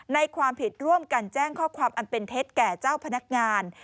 ความผิดร่วมกันแจ้งข้อความอันเป็นเท็จแก่เจ้าพนักงาน